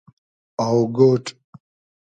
آۆگۉۮ